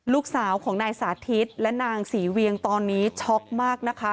ลูกสาวของนายสาธิตและนางศรีเวียงตอนนี้ช็อกมากนะคะ